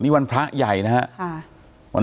นี่วันพระใหญ่นะครับ